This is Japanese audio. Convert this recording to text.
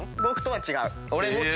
僕とは違う。